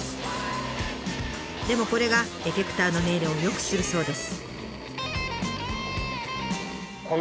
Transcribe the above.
でもこれがエフェクターの音色を良くするそうです。